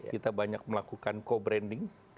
kita banyak melakukan co branding